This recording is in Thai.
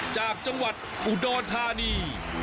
จากจังหวัดอุดรธานี